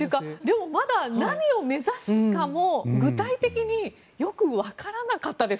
まだ何を目指すかも具体的によくわからなかったです